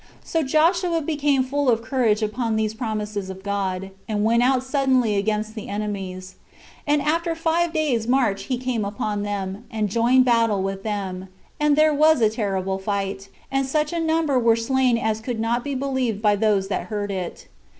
So Joshua became full of courage upon these promises of God, and went out suddenly against the enemies; and after five days' march he came upon them, and joined battle with them, and there was a terrible fight, and such a number were slain as could not be believed by those that heard it.